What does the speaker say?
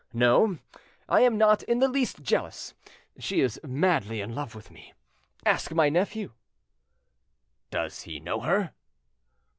No, I am not in the least jealous; she is madly in love with me. Ask my nephew." "Does he know her?"